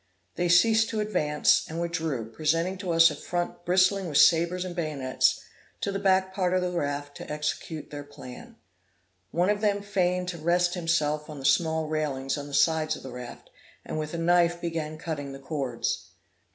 They ceased to advance, and withdrew, presenting to us a front bristling with sabres and bayonets, to the back part of the raft to execute their plan. One of them feigned to rest himself on the small railings on the sides of the raft, and with a knife began cutting the cords.